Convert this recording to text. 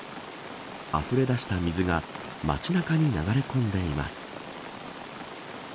あふれ出した水が街中に流れ込んでいます。